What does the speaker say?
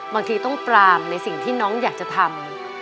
บางทีต้องปรามในสิ่งที่น้องอยากจะทำ